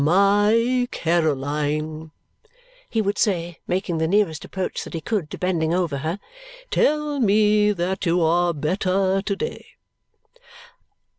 "My Caroline," he would say, making the nearest approach that he could to bending over her. "Tell me that you are better to day."